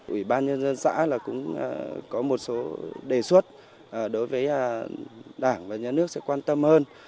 ủy ban nhân dân xã cũng có một số đề xuất đối với đảng và nhà nước sẽ quan tâm hơn